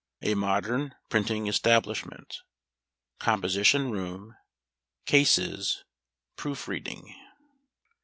A Modern Printing Establishment. Composition Room. Cases. Proof reading.